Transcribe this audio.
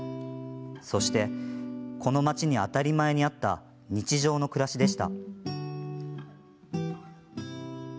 そしてこの町に当たり前にあった日常の暮らしでした。